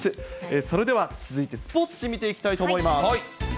それでは続いてスポーツ紙、見ていきたいと思います。